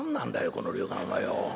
この旅館はよ。